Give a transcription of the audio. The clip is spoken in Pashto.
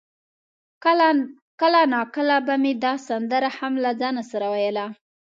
کله ناکله به مې دا سندره هم له ځانه سره ویله.